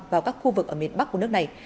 vào các khu vực ở miền bắc của nước này